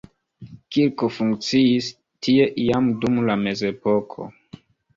Kirko funkciis tie jam dum la mezepoko.